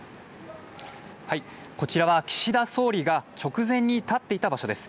こちらは岸田総理が直前に立っていた場所です。